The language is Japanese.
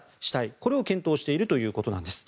これを検討しているということです。